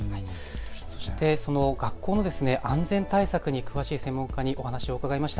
そしてその学校の安全対策に詳しい専門家にお話を伺いました。